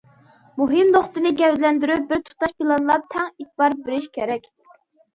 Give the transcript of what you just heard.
مۇھىم نۇقتىنى گەۋدىلەندۈرۈپ، بىر تۇتاش پىلانلاپ تەڭ ئېتىبار بېرىش كېرەك.